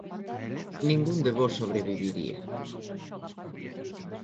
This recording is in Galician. Ningún de vós sobreviviría.